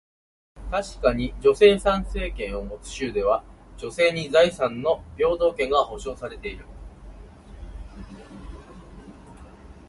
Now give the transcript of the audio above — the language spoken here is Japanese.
確かに、女性参政権を持つ州では、女性に財産の平等権が保証されている。